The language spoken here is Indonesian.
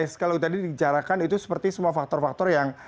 ya pak baes kalau tadi dicarakan itu seperti semua faktor faktor yang